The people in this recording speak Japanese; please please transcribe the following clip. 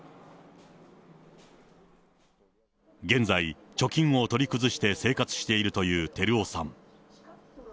現在、貯金を取り崩して生活しているという輝雄さん。